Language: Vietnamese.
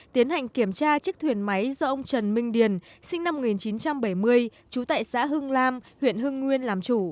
tiến hành kiểm tra chiếc thuyền máy do ông trần minh điền sinh năm một nghìn chín trăm bảy mươi trú tại xã hưng lam huyện hưng nguyên làm chủ